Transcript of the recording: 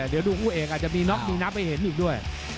เดี๋ยวดูคู่เอกอาจจะมีน็อกมีนับให้เห็นอีกด้วย